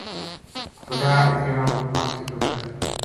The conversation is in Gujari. خدا اِس جنا کو کم سدھو کرے تھو